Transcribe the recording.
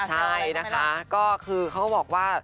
ใช่นะคะก็คือเขาก็บอกว่า